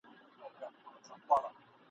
زده کوونکو بېلابېلي مقالې ولوستلې.